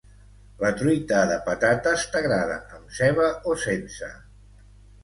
La truita de patates t'agrada amb ceba o sense?